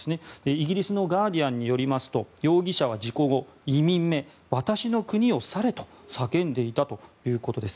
イギリスのガーディアンによりますと容疑者は事故後移民め、私の国を去れと叫んでいたということです。